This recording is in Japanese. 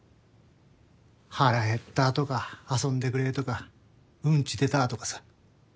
腹減ったとか遊んでくれとかうんち出たとかさ。